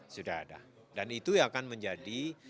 sudah ada dan itu akan menjadi